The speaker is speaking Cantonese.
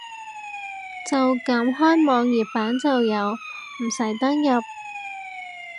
就咁開網頁版就有，唔使登入